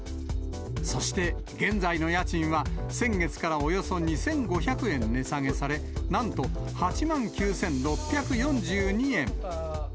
そして現在の家賃は先月からおよそ２５００円値下げされ、なんと８万９６４２円。